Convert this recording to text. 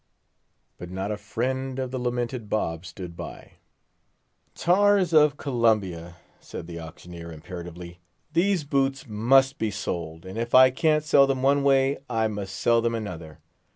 But not a friend of the lamented Bob stood by. "Tars of Columbia," said the auctioneer, imperatively, "these boots must be sold; and if I can't sell them one way, I must sell them another.